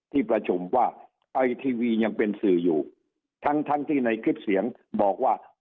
ที่ประชุมว่าไอทีวียังเป็นสื่ออยู่ทั้งทั้งที่ในคลิปเสียงบอกว่า